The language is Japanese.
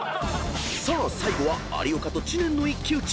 ［さあ最後は有岡と知念の一騎打ち］